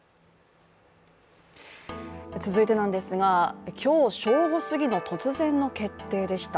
続いてなんですが、今日正午すぎの突然の決定でした。